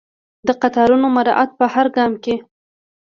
د قطارونو مراعات په هر ګام کې.